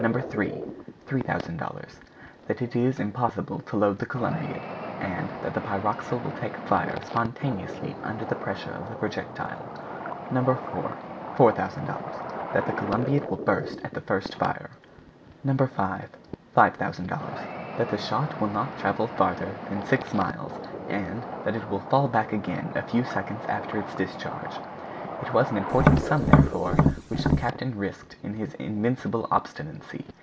3 ($3,000).—That is it impossible to load the Columbiad, and that the pyroxyle will take fire spontaneously under the pressure of the projectile. No. 4 ($4,000).—That the Columbiad will burst at the first fire. No. 5 ($5,000).—That the shot will not travel farther than six miles, and that it will fall back again a few seconds after its discharge. It was an important sum, therefore, which the captain risked in his invincible obstinacy.